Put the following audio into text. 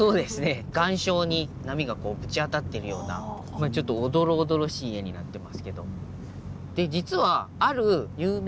岩礁に波がぶち当たっているようなちょっとおどろおどろしい絵になってますけど。